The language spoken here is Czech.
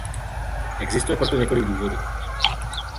Existuje pro to několik důvodů.